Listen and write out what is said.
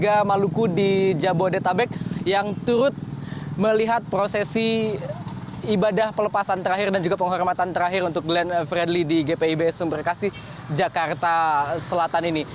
warga maluku di jabodetabek yang turut melihat prosesi ibadah pelepasan terakhir dan juga penghormatan terakhir untuk glenn fredly di gpib sumberkasih jakarta selatan ini